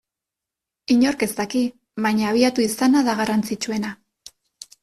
Inork ez daki, baina abiatu izana da garrantzitsuena.